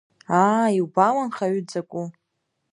Аа, иубама анхаҩы дзакәу!